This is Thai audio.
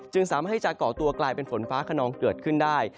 สามารถให้จะเกาะตัวกลายเป็นฝนฟ้าขนองเกิดขึ้นได้